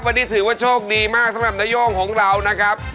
วันนี้ถือว่าโชคดีมากสำหรับนโย่งของเรานะครับ